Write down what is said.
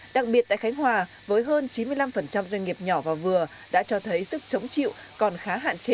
đặc biệt tại khánh hòa với hơn chín mươi năm doanh nghiệp nhỏ và vừa đã cho thấy sức chống chịu còn khá hạn chế